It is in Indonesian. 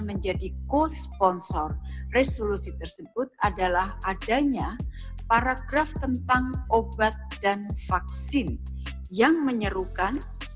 menjadi co sponsor resolusi tersebut adalah adanya paragraf tentang obat dan vaksin yang menyerukan